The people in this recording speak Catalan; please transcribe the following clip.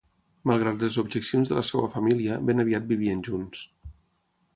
Malgrat les objeccions de la seva família, ben aviat vivien junts.